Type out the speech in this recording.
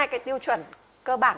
hai cái tiêu chuẩn cơ bản